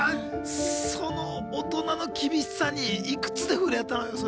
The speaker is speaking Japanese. その大人の厳しさにいくつで触れたのよそれ。